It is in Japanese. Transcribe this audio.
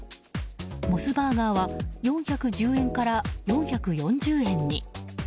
モスバーガーは４１０円から４４０円に。